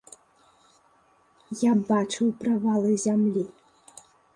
Я бачыў правалы зямлі.